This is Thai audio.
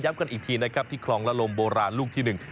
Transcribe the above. กันอีกทีนะครับที่คลองละลมโบราณลูกที่หนึ่ง